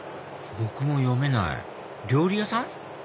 僕も読めない料理屋さん？